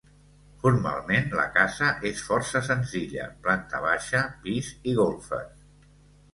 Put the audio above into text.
Formalment la casa és força senzilla: planta baixa, pis i golfes.